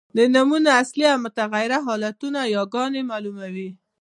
د نومونو اصلي او مغیره حالتونه یاګاني مالوموي.